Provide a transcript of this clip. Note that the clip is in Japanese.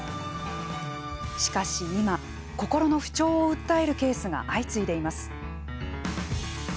しかし今心の不調を訴えるケースが相次いでいます。